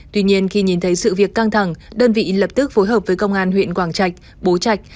tuy nhiên khi nhìn thấy sự việc căng thẳng đơn vị lập tức phối hợp với công an huyện quảng trạch bố trạch